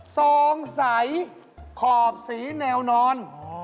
ซองใสขอบสีแนวนอน